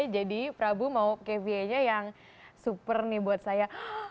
jadi prabu mau kevye nya yang super nih buat saya